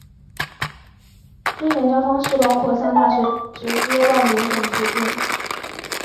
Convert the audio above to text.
非联招方式包括向大学直接报名等途径。